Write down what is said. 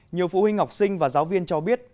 nhiều phụ huynh học sinh và giáo viên cho biết